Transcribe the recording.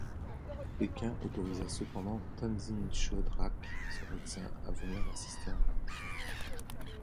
Pékin autorisa cependant Tenzin Choedrak, son médecin à venir l’assister en Inde.